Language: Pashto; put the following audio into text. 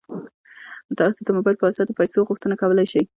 تاسو د موبایل په واسطه د پيسو غوښتنه کولی شئ.